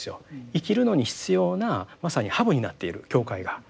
生きるのに必要なまさにハブになっている教会が。